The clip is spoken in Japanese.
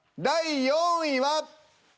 第４位は。